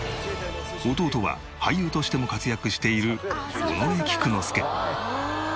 弟は俳優としても活躍している尾上菊之助。